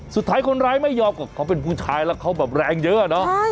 สุดท้ายคนร้ายไม่ยอมก็เขาเป็นผู้ชายแล้วเขาแบบแรงเยอะเนอะ